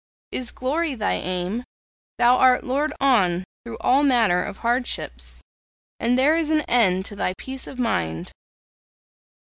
Is glory thy aim? Thou art lured on through all manner of hardships, and there is an end to thy peace of mind.